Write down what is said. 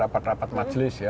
rapat rapat majelis ya